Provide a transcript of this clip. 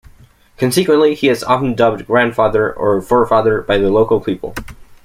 Consequently, he is often dubbed "grandfather" or "forefather" by the local people.